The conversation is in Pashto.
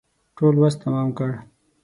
ټول وس تمام کړ.